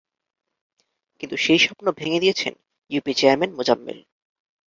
কিন্তু সেই স্বপ্ন ভেঙে দিয়েছেন ইউপি চেয়ারম্যান মোজাম্মেল।